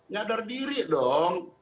nyadar diri dong